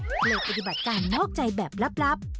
เปิดปฏิบัติการนอกใจแบบลับ